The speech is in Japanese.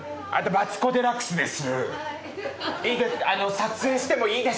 マツコ・デラックスです。